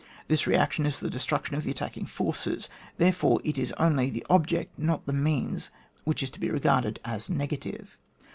This re action is the destruction of the attacking forces. Therefore, it is only the object, not the means, which is to be regarded as negative.